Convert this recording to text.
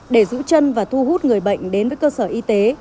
để giữ chân và thu hút người bệnh đến với cơ sở y tế